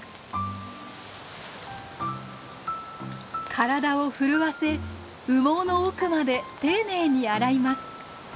体を震わせ羽毛の奥まで丁寧に洗います。